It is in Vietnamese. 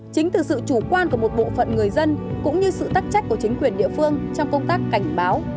chính từ sự chủ quan của một bộ phận người dân cũng như sự tắc trách của chính quyền địa phương trong công tác cảnh báo